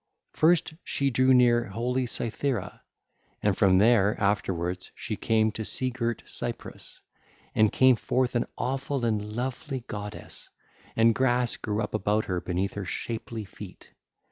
First she drew near holy Cythera, and from there, afterwards, she came to sea girt Cyprus, and came forth an awful and lovely goddess, and grass grew up about her beneath her shapely feet.